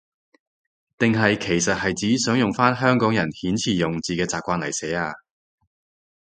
定係其實係指想用返香港人遣詞用字嘅習慣嚟寫？